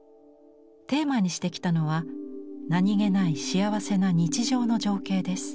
テーマにしてきたのは何気ない幸せな日常の情景です。